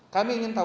kami ingin tahu